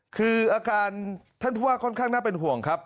คืออาการท่านผู้ว่าค่อนข้างน่าเป็นห่วงครับ